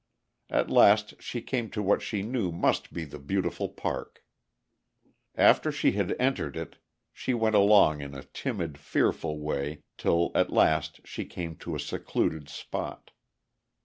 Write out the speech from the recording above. At last she came to what she knew must be the beautiful park. After she had entered it, she went along in a timid, fearful way till at last she came to a secluded spot.